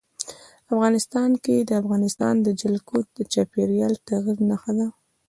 افغانستان کې د افغانستان جلکو د چاپېریال د تغیر نښه ده.